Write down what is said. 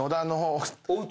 おうち？